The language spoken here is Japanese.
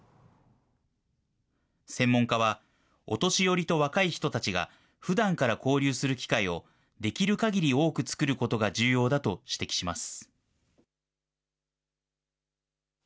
専門家は、お年寄りと若い人たちが、ふだんから交流する機会を、できるかぎり多く作ることが重要だと指摘します。